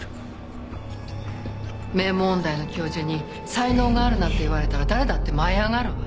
名門音大の教授に才能があるなんて言われたら誰だって舞い上がるわ。